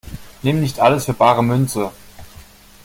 Nimm nicht alles für bare Münze!